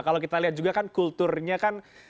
kalau kita lihat juga kan kulturnya kan